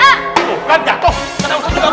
awas kan jatoh kan jatoh